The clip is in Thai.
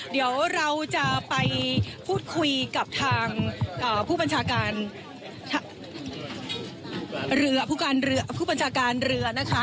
เดี๋ยวเราจะไปพูดคุยกับทางผู้บัญชาการเรือนะคะ